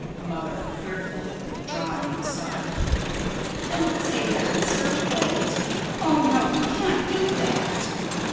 Mother: [Fearfully, drawing him aside.] Don't say that, sir. Wait. Oh, no, you can't do that!